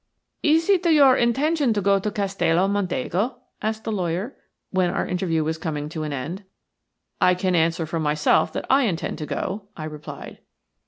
"Is it your intention to go to Castello Mondego?" asked the lawyer, when our interview was coming to an end. "I can answer for myself that I intend to go," I replied.